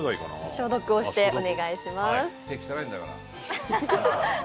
消毒をしてお願いします。